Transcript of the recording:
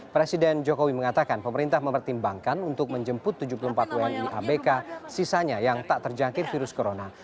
presiden jokowi mengatakan pemerintah mempertimbangkan untuk menjemput tujuh puluh empat wni abk sisanya yang tak terjangkit virus corona